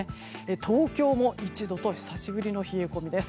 東京も１度と久しぶりの冷え込みです。